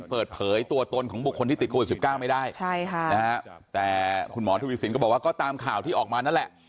เปิดเผยตัวตนของบุคคลที่ติดโควิด๑๙ไม่ได้แต่คุณหมอทวีสินก็บอกว่าก็ตามข่าวที่ออกมานั่นแหละ